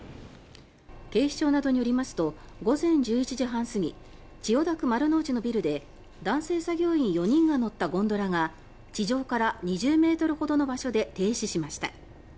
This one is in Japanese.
警視庁などによりますと午前１１時半過ぎ千代田区丸の内のビルで男性作業員４人が乗ったゴンドラが地上から２０ｍほどの場所で停止しました。